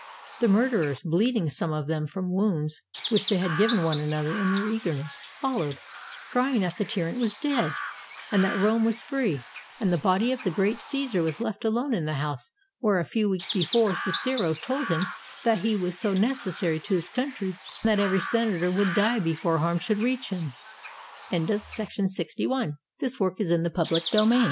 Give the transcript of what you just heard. The murderers, bleeding some of them from wounds which they had given one another in their eagerness, followed, crying that the tyrant was dead, and that Rome was free; and the body of the great Caesar was left alone in the house where a few weeks before Cicero told him that he was so neces sary to his country that every senator would die before harm should reach him!